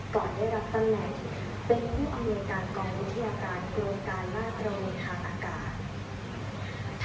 ก่อนได้รับประแหน่งเป็นผู้อเมริกากองวิทยาการโรงการล่าตระเวนทางอากาศ